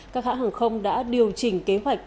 các hãng hàng không đã điều chỉnh kế hoạch